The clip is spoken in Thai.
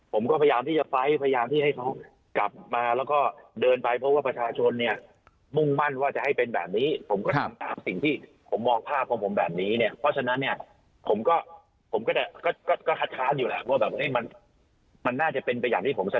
ผมก็พยายามที่จะไฟล์พยายามที่ให้เขากลับมาแล้วก็เดินไปเพราะว่าประชาชนเนี่ยมุ่งมั่นว่าจะให้เป็นแบบนี้ผมก็ทำตามสิ่งที่ผมมองภาพของผมแบบนี้เนี่ยเพราะฉะนั้นเนี่ยผมก็ผมก็คัดค้านอยู่แหละว่าแบบมันมันน่าจะเป็นไปอย่างที่ผมเสนอ